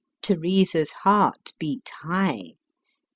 Teresa's heart beat high.